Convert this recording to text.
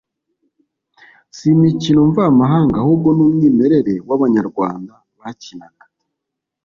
si imikino mvamahanga ahubwo ni umwimerere w’abanyarwanda bakinaga.